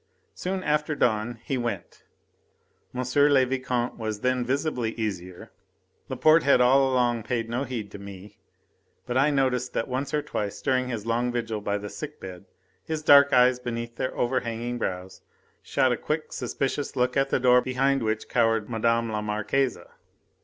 Soon after dawn he went. M. le Vicomte was then visibly easier. Laporte had all along paid no heed to me, but I noticed that once or twice during his long vigil by the sick bed his dark eyes beneath their overhanging brows shot a quick suspicious look at the door behind which cowered Mme. la Marquise.